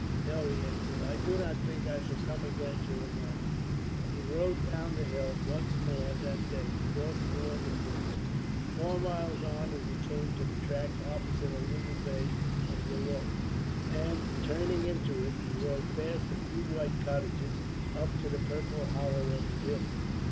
"No," he answered, "I do not think I shall come again to Ramelton." And he rode down the hill, and once more that day crossed the Lennon bridge. Four miles on he came to the track opposite a little bay of the Lough, and, turning into it, he rode past a few white cottages up to the purple hollow of the hills.